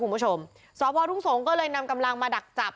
คุณผู้ชมสพทุ่งสงศ์ก็เลยนำกำลังมาดักจับ